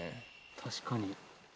確かに。